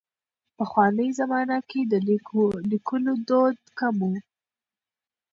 پخوانۍ زمانه کې د لیکلو دود کم و.